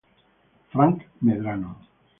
Frank Medrano